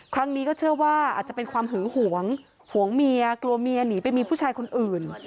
ครั้งนี้ก็เชื่อว่าอาจจะเป็นความหึงหวงหวงเมียกลัวเมียหนีไปมีผู้ชายคนอื่น